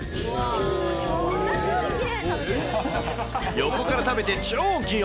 横から食べて超器用。